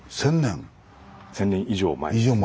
１，０００年以上前ですね。